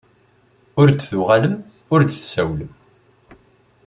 Ur d-tuɣalem ur d-tsawlem.